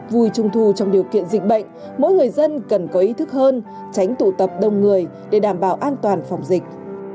vui trung thu trong điều kiện dịch bệnh mỗi người dân cần có ý thức hơn tránh tụ tập đông người để đảm bảo an toàn phòng dịch